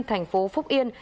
thành phố phúc yên